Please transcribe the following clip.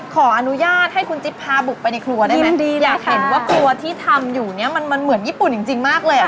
ขออนุญาตให้คุณจิ๊บพาบุกไปในครัวได้ไหมอยากเห็นว่าครัวที่ทำอยู่เนี่ยมันเหมือนญี่ปุ่นจริงมากเลยอ่ะ